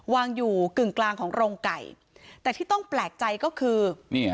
วางอยู่กึ่งกลางของโรงไก่แต่ที่ต้องแปลกใจก็คือนี่ฮะ